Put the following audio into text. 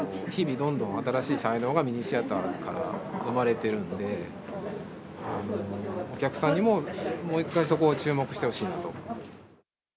日々どんどん新しい才能がミニシアターから生まれてるんで、お客さんにももう一回そこを注目してほしいなと。